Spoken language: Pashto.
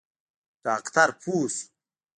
ډاکتر پوه سو.